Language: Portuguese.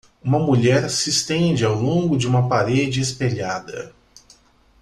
Uma mulher se estende ao longo de uma parede espelhada.